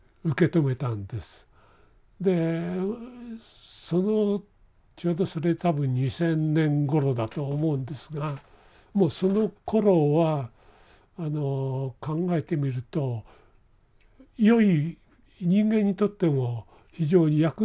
でそのちょうどそれ多分２０００年ごろだと思うんですがもうそのころはあの考えてみるとよい人間にとっても非常に役に立つウイルスの存在は分かりつつあって